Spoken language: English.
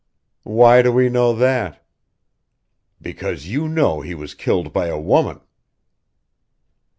"Why do we know that?" "Because you know he was killed by a woman!"